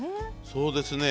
そうですね